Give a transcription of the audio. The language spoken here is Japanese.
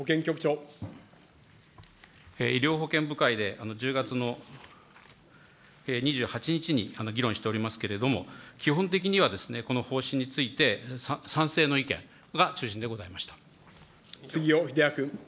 医療保険部会で１０月の２８日に議論しておりますけれども、基本的にはこの方針について、杉尾秀哉君。